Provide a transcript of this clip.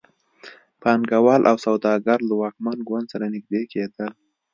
پانګوال او سوداګر له واکمن ګوند سره نږدې کېدل.